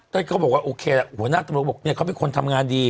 เขาบอกว่าโอเคละหัวหน้าตำรวจบอกเนี่ยเขาเป็นคนทำงานดี